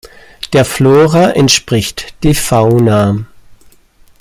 Der Flora entspricht die Fauna.